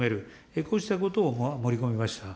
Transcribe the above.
こうしたことを盛り込みました。